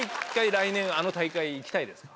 来年あの大会行きたいですか？